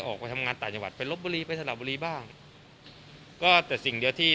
ออกไปทำงานต่างจังหวัดไปลบบุรีไปสระบุรีบ้างก็แต่สิ่งเดียวที่